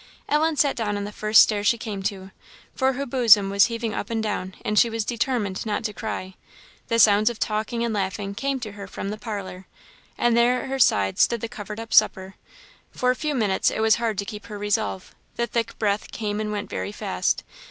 Ellen sat down on the first stair she came to, for her bosom was heaving up and down, and she was determined not to cry. The sounds of talking and laughing came to her from the parlour, and there at her side stood the covered up supper; for a few minutes it was hard to keep her resolve. The thick breath came and went very fast.